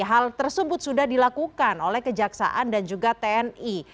hal tersebut sudah dilakukan oleh kejaksaan dan juga tni